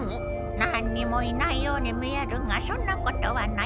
なんにもいないように見えるがそんなことはない。